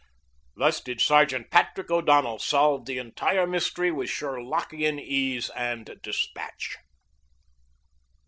Thus did Sergeant Patrick O'Donnell solve the entire mystery with Sherlockian ease and despatch.